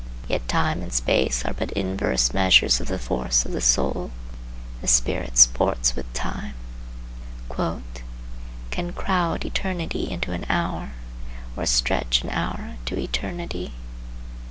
Yet time and space are but inverse measures of the force of the soul. The spirit sports with time,— "Can crowd eternity into an hour, Or stretch an hour to eternity."